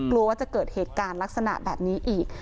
กลัวว่าจะเกิดเหตุการณ์ลักษณะแบบนี้อีก